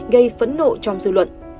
gây phẫn nộ trong dư luận